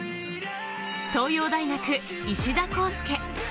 東洋大学・石田洸介。